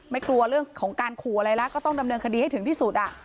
ไม่กลัวเรื่องของการขู่อะไรแล้วก็ต้องดำเนินคดีให้ถึงที่สุด